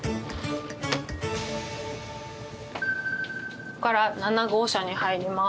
ここから７号車に入ります。